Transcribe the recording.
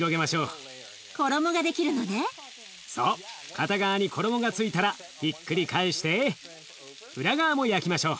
片側に衣がついたらひっくり返して裏側も焼きましょう。